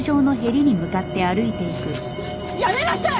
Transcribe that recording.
やめなさい！